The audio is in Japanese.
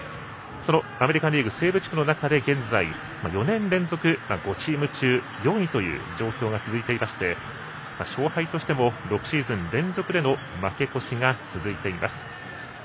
そのアメリカンリーグ西部地区の中で現在、４年連続で５チーム中４位という状況が続いていまして勝敗としても６シーズン連続での負け越しが続いています。